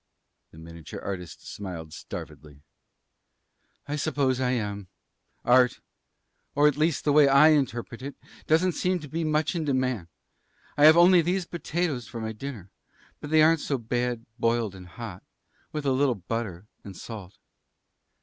The miniature artist smiled starvedly. "I suppose I am. Art or, at least, the way I interpret it doesn't seem to be much in demand. I have only these potatoes for my dinner. But they aren't so bad boiled and hot, with a little butter and salt."